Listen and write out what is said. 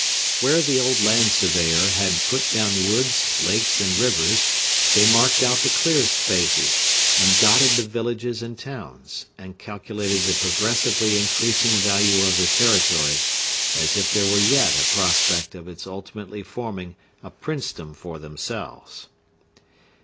Where the old land surveyor had put down woods, lakes, and rivers, they marked out the cleared spaces, and dotted the villages and towns, and calculated the progressively increasing value of the territory, as if there were yet a prospect of its ultimately forming a princedom for themselves.